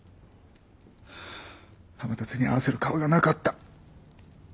天達に合わせる顔がなかった。